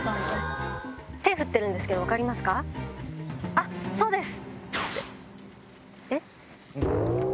あっそうです。